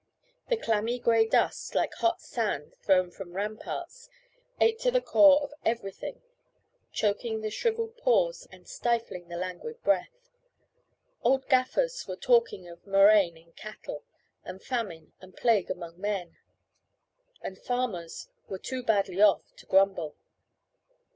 The clammy grey dust, like hot sand thrown from ramparts, ate to the core of everything, choking the shrivelled pores and stifling the languid breath. Old gaffers were talking of murrain in cattle, and famine and plague among men, and farmers were too badly off to grumble.